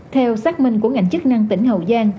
theo xác minh của ngành chức năng tỉnh hậu giang